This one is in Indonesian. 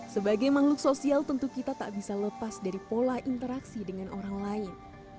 sebagai makhluk sosial tentu kita tak bisa lepas dari pola interaksi dengan orang lain